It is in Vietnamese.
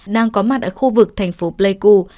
đang có mặt ở khu vực thành phố pleiku